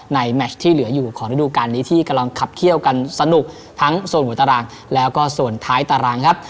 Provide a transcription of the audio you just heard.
แมชที่เหลืออยู่ของฤดูการนี้ที่กำลังขับเขี้ยวกันสนุกทั้งส่วนหัวตารางแล้วก็ส่วนท้ายตารางครับ